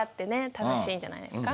楽しいんじゃないですか。